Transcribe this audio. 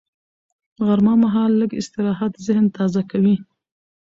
غرمه مهال لږ استراحت ذهن تازه کوي